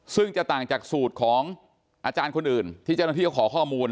ซึ่งจะต่างจากสูตรของอาจารย์คนอื่นที่เจ้าหน้าที่เขาขอข้อมูล